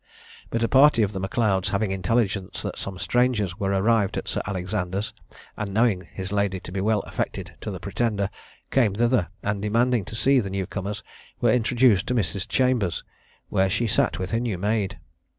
But a party of the M'Leods, having intelligence that some strangers were arrived at Sir Alexander's, and knowing his lady to be well affected to the Pretender, came thither, and demanding to see the new comers, were introduced to Miss's chamber, where she sat with her new maid.